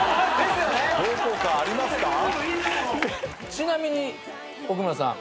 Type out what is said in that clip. ちなみに奥森さん